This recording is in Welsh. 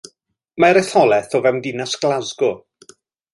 Mae'r etholaeth o fewn Dinas Glasgow.